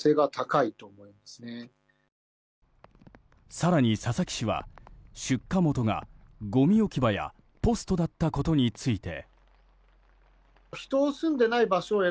更に佐々木氏は、出火元がごみ置き場やポストだったことについて。